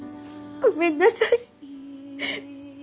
ごめんなさい。